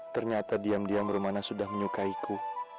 ternyata diam diam rumana sudah menyukaiku